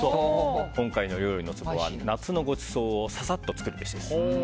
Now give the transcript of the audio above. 今回の料理のツボは夏のごちそうをササッと作るべしです。